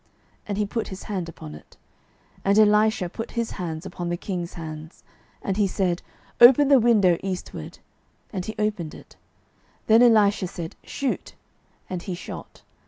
And he put his hand upon it: and Elisha put his hands upon the king's hands. 12:013:017 And he said, Open the window eastward. And he opened it. Then Elisha said, Shoot. And he shot.